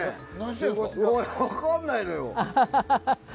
分かんないのよ。